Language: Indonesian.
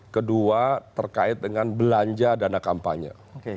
kedua terkait dengan belanja dana kampanye